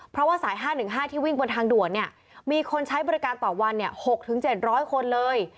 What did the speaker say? เพราะว่าสาย๕๑๕ที่วิ่งบนทางด่วนมีคนใช้บริการต่อวัน๖๗๐๐คนเลย